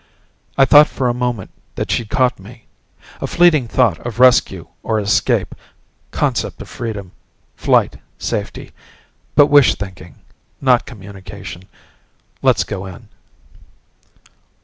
"I thought for a moment that she'd caught me. A fleeting thought of rescue or escape, concept of freedom, flight, safety. But wish thinking. Not communication. Let's go in."